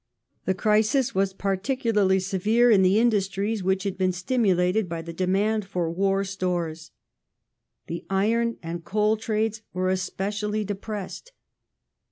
The crisis was particularly severe in the industries which had been stimulated by the demand for war stores. The iron and coal trades were especially depressed.